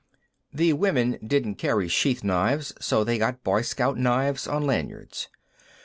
The women didn't carry sheath knives, so they got Boy Scout knives on lanyards.